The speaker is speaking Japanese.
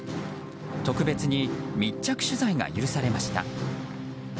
特別に密着取材が許されました。